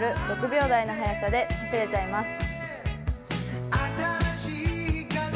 ５０ｍ６秒台の速さで走れちゃいます。